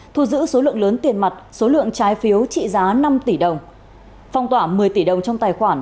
thu giữ số lượng lớn tiền mặt số lượng trái phiếu trị giá năm tỷ đồng phong tỏa một mươi tỷ đồng trong tài khoản